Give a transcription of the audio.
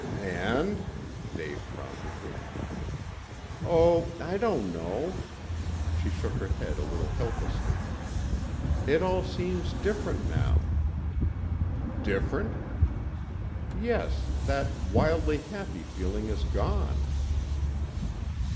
"And " Dave prompted her. "Oh, I don't know." She shook her head a little helplessly. "It all seems different now." "Different?" "Yes, that wildly happy feeling has gone."